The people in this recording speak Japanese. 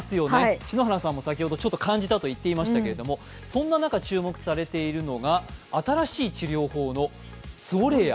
篠原さんも先ほど、ちょっと感じたと言っていましたけども、そんな中、注目されているのが新しい治療法のゾレア。